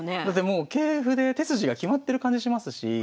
だってもう桂歩で手筋が決まってる感じしますし。